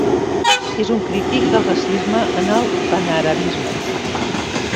És un crític del racisme en el panarabisme.